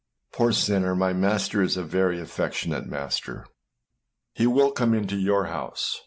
Poor sinner, my Master is a very affectionate Master. He will come into your house.